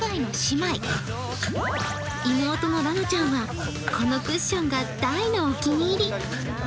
妹のラナちゃんは、このクッションが大のお気に入り。